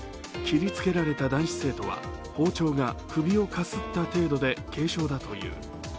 切りつけられた男子生徒は包丁が首をかすった程度で軽傷だという。